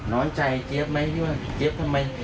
น้อยใจเจี๊ยบไหมหรือว่าเจี๊ยบทำไม